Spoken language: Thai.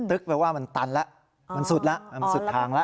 แปลว่ามันตันแล้วมันสุดแล้วมันสุดทางแล้ว